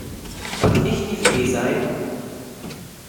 Darf ich die Fee sein?